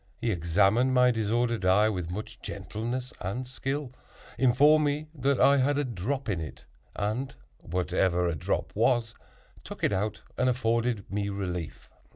He examined my disordered eye with much gentleness and skill, informed me that I had a drop in it, and (whatever a "drop" was) took it out, and afforded me relief.